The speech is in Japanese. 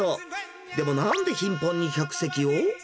でも、なんで頻繁に客席を？